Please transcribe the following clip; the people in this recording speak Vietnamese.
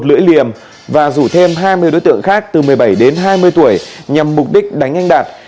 lưỡi liềm và rủ thêm hai mươi đối tượng khác từ một mươi bảy đến hai mươi tuổi nhằm mục đích đánh anh đạt